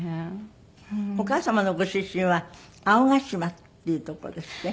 お母様のご出身は青ヶ島っていう所ですって？